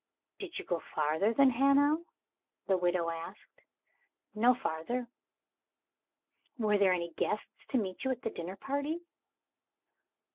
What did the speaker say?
"Did you go farther than Hanau?" the widow asked. "No farther." "Were there any guests to meet you at the dinner party?"